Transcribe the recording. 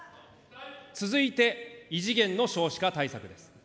続いて、異次元の少子化対策です。